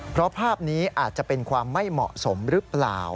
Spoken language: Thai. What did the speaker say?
เพราะภาพนี้อาจจะเป็นความไม่เหมาะสมหรือเปล่า